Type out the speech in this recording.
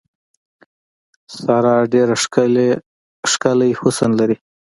ساره ډېر ښکلی حسن لري.